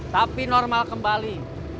tapi normal kembali